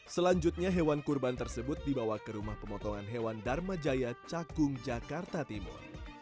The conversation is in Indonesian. selanjutnya hewan kurban tersebut dibawa ke rumah pemotongan hewan dharma jaya cakung jakarta timur